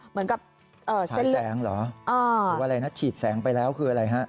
เหมือนกับอ่าแสนทรายแซงเหรออ่าวันใดนั้นฉีดแสงไปแล้วคืออะไรฮะ